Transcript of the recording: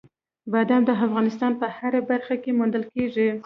بادام د افغانستان په هره برخه کې موندل کېږي.